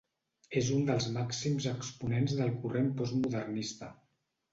És un dels màxims exponents del corrent postmodernista.